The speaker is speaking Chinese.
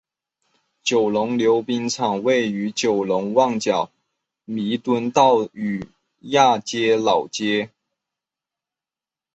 九龙溜冰场位于九龙旺角弥敦道与亚皆老街。